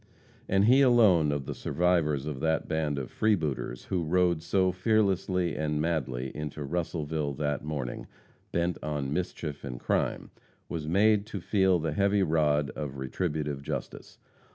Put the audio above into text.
And he alone of the survivors of that band of freebooters who rode so fearlessly and madly into Russellville that morning, bent on mischief and crime, was made to feel the heavy rod of retributive justice.